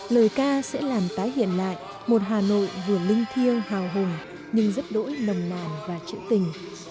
lời ca sẽ làm tái hiện lại một hà nội vừa linh thiêng hào hùng nhưng rất đỗi nồng nàn và trữ tình